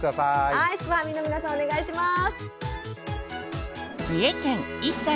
はいすくファミの皆さんお願いします。